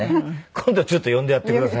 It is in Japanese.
今度ちょっと呼んでやってください。